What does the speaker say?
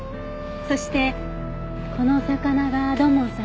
そしてこの魚が土門さんね。